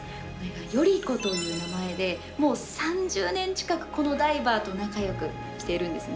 頼子という名前でもう３０年近くこのダイバーと仲よくしているんですね。